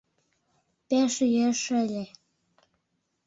— Пеш йӱэш ыле...